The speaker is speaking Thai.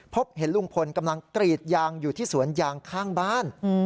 พบเห็นลุงพลกำลังกรีดยางอยู่ที่สวนยางข้างบ้าน